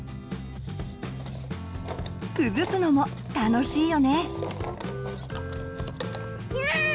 崩すのも楽しいよね。